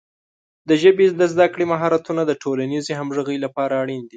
د ژبې د زده کړې مهارتونه د ټولنیزې همغږۍ لپاره اړین دي.